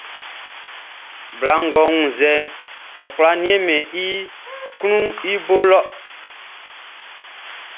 Bla ngʼɔ wunnzɛʼn, ɔ kwlá nianmɛn i kuanʼn i bo lɔ.